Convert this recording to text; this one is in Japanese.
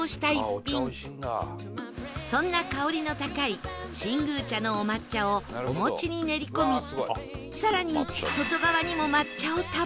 そんな香りの高い新宮茶のお抹茶をお餅に練り込み更に外側にも抹茶をたっぷり